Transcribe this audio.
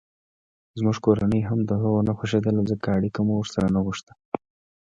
زموږ کورنۍ هم دهغو نه خوښېدله ځکه اړیکه مو ورسره نه غوښته.